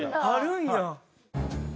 あるんや。